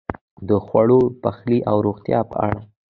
د خوړو، پخلی او روغتیا په اړه: